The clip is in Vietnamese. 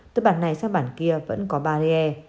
từ bản này sang bản kia vẫn có barrier